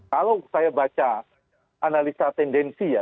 kalau saya baca analisa tendensi ya